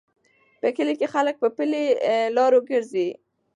په کلي کې خلک په پلي لارو ګرځي.